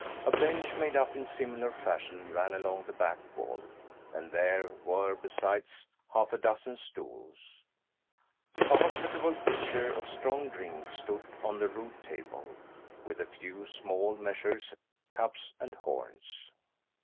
A bench made up in similar fashion ran along the back wall, and there were besides, half a dozen stools. A hospitable pitcher of strong drink stood on the rude table, with a few small measures, cups and horns.